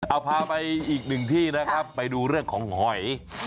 เอาพาไปอีกหนึ่งที่นะครับไปดูเรื่องของหอย